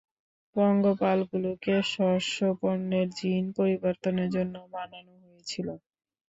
পঙ্গপালগুলোকে শস্যপণ্যের জিন পরিবর্তনের জন্য বানানো হয়েছিল।